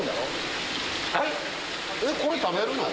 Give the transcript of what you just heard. えっこれ食べるの？